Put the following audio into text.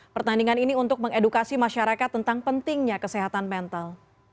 pertandingan ini untuk mengedukasi masyarakat tentang pentingnya kesehatan mental